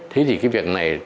thế thì cái việc này